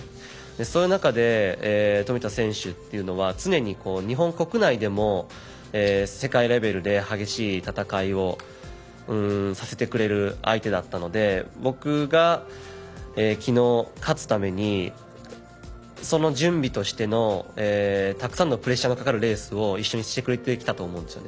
そういう中で富田選手というのは常に日本国内でも世界レベルで激しい戦いをさせてくれる相手だったので僕がきのう勝つためにその準備としてのたくさんのプレッシャーのかかるレースを一緒にしてくれてきたと思うんですね。